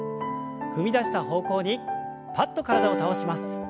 踏み出した方向にパッと体を倒します。